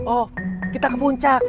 oh kita ke puncak